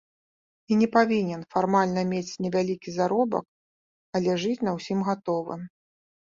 І не павінен фармальна мець невялікі заробак, але жыць на ўсім гатовым.